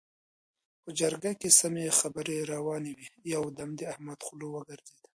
په جرګه کې سمې خبرې روانې وې؛ يو دم د احمد خوله وګرځېده.